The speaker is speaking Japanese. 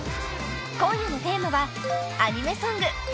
［今夜のテーマはアニメソング。